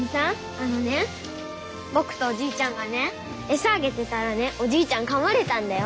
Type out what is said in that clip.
あのね僕とおじいちゃんがね餌あげてたらねおじいちゃんかまれたんだよ。